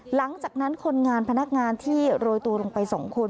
หลังจากนั้นคนงานพนักงานที่โรยตัวลงไป๒คน